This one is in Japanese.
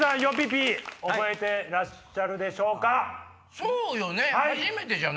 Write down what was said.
そうよね！